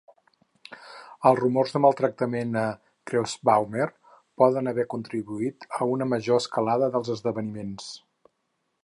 Els rumors de maltractament a Kerschbaumer poden haver contribuït a una major escalada dels esdeveniments.